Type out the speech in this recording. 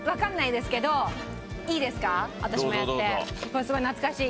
これすごい懐かしい。